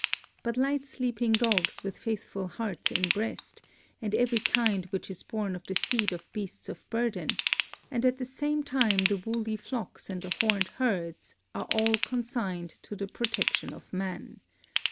But light sleeping dogs with faithful heart in breast, and every kind which is born of the seed of beasts of burden, and at the same time the woolly flocks and the horned herds, are all consigned to the protection of man.